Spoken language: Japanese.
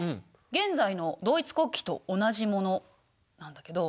現在のドイツ国旗と同じものなんだけど。